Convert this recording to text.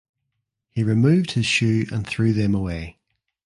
He removed his shoe and threw them away.